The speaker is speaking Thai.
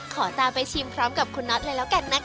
ขอตามไปชิมพร้อมกับคุณน็อตเลยแล้วกันนะคะ